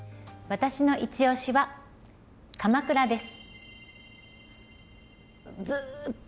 私のいちオシは鎌倉です。